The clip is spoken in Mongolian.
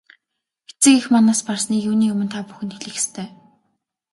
Эцэг эх маань нас барсныг юуны өмнө та бүхэнд хэлэх ёстой.